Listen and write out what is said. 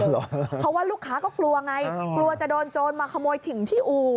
เพราะว่าลูกค้าก็กลัวไงกลัวจะโดนโจรมาขโมยถิ่นที่อู่